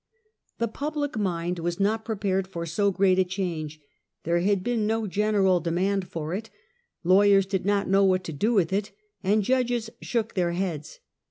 The public mind was not prepared for so great a change ; there had been no general demand for it; lawyers did not know what to do with it, and judges shook their heads.